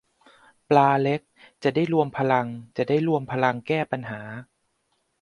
ปลาเล็ก จะได้รวมพลังจะได้รวมพลังแก้ปัญหา